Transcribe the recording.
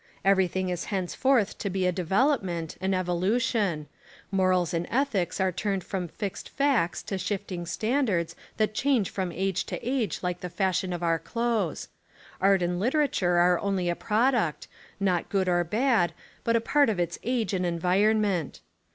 Everything is henceforth to be a development, an evolution; morals and ethics are turned from fixed facts to shifting standards that change from age to age like the fashion of our clothes; art and literature are only a product, not good or bad, but a part of its age and environment.